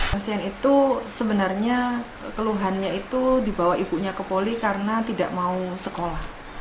pasien itu sebenarnya keluhannya itu dibawa ibunya ke poli karena tidak mau sekolah